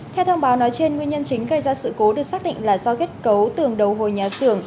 theo thông báo nói trên nguyên nhân chính gây ra sự cố được xác định là do kết cấu tường đầu hồi nhà xưởng